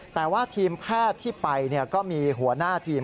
แต่ว่าทีมแพทย์ที่ไปก็มีหัวหน้าทีม